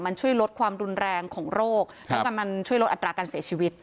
มันช่วยลดความรุนแรงของโรคต้องการมันช่วยลดอัตราการเสียชีวิต